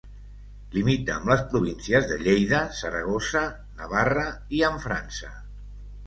Limita amb les províncies de Lleida, Saragossa, i Navarra, i amb França.